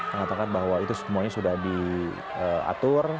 mengatakan bahwa itu semuanya sudah diatur